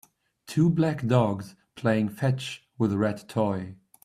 two black dogs playing fetch with a red toy